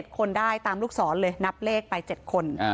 คนได้ตามลูกศรเลยนับเลขไป๗คน